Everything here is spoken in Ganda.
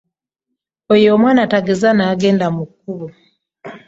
Oyo omwana tageza n'agenda mu kubo.